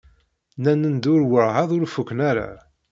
Nnan-d ur werɛad ur fuken ara.